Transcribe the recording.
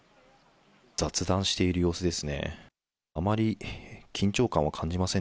雑談している様子ですね。